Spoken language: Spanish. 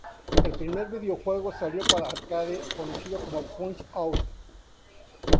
El primer videojuego salió para arcade conocido como "Punch Out!!